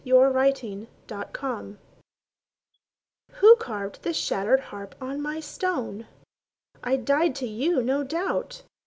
Joseph Dixon Who carved this shattered harp on my stone? I died to you, no doubt.